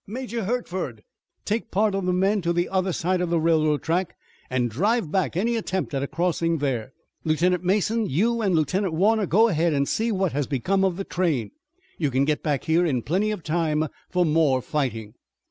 Major Hertford, take part of the men to the other side of the railroad track and drive back any attempt at a crossing there. Lieutenant Mason, you and Lieutenant Warner go ahead and see what has become of the train. You can get back here in plenty time for more fighting."